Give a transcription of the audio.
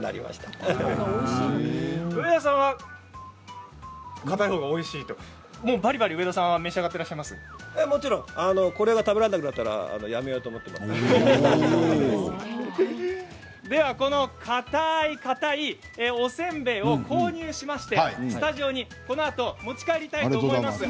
上田さんはかたい方がおいしいともちろん、これが食べられなくなったらかたいおせんべいを購入しまして、スタジオにこのあと持ち帰りたいと思います。